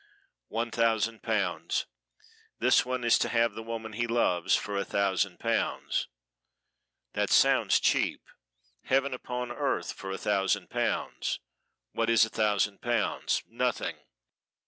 One thousand pounds! This one is to have the woman he loves for a thousand pounds. That sounds cheap. Heaven upon earth for a thousand pounds. What is a thousand pounds? Nothing.